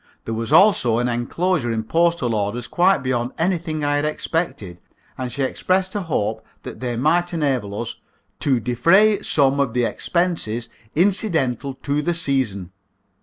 There was also an enclosure in postal orders quite beyond anything I had expected, and she expressed a hope that they might enable us "to defray some of the expenses incidental to the season."